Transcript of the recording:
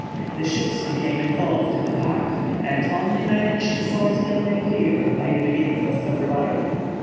The ships became involved in the pack, and only managed to force their way clear by the beginning of February.